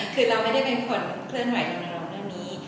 คือเราไม่ได้เป็นคนเคลื่อนไหวกับเราเรื่องนี้